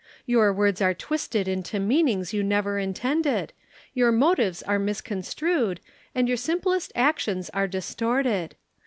Your words are twisted into meanings you never intended, your motives are misconstrued, and your simplest actions are distorted.